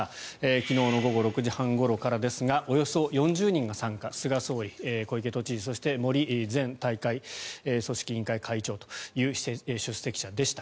昨日の午後６時半ごろからですがおよそ４０人が参加菅総理、小池知事そして森前大会組織委員会会長という出席者でした。